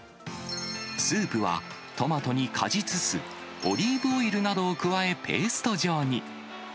スープはトマトに果実酢、オリーブオイルなどを加え、ペースト状に。